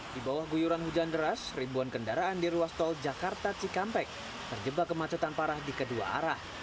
di bawah guyuran hujan deras ribuan kendaraan di ruas tol jakarta cikampek terjebak kemacetan parah di kedua arah